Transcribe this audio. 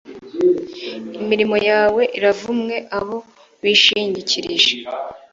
Imirimo yawe iravumwe Abo wishingikirije